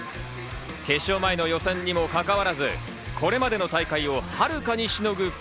決勝前の予選にもかかわらず、これまでの大会をはるかにしのぐ